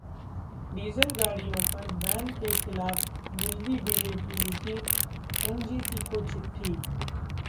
diesel गाडियों पर ban के खिलाफ दिल्ली बीजेपी, लिखी एनजीटी को चिठ्ठी